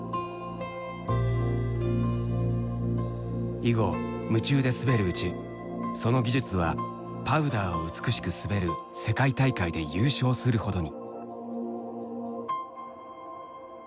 以後夢中で滑るうちその技術はパウダーを美しく滑る世界大会で優勝するほどに。